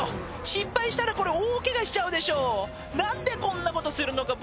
失敗したらこれ大ケガしちゃうでしょ何でこんなことするのか